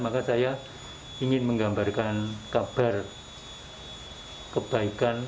maka saya ingin menggambarkan kabar kebaikan